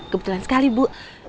kebetulan sekali bu